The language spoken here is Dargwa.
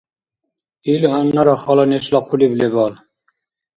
Ил гьаннара хала нешла хъулиб лебал.